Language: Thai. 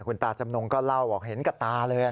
คุณตาจำนงก็เล่าบอกเห็นกับตาเลย